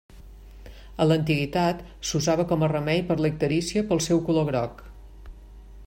A l'antiguitat, s'usava com a remei per la icterícia pel seu color groc.